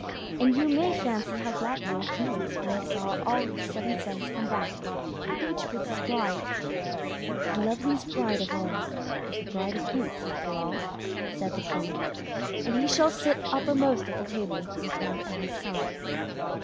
And you may fancy how glad the old king was when he saw all his seven sons come back, each with his bride—"But the loveliest bride of all is the bride of Boots, after all", said the king, "and he shall sit uppermost at the table, with her by his side."